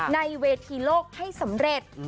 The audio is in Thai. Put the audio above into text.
ในเวทีโลกให้สำเร็จ